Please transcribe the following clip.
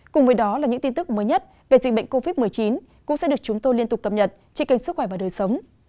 cùng với đó là những tin tức mới nhất về dịch bệnh covid một mươi chín cũng sẽ được chúng tôi liên tục cập nhật trên kênh sức khỏe và đời sống